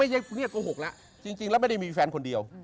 เรียกโกหกแล้วจริงแล้วไม่ได้มีแฟนคนเดียว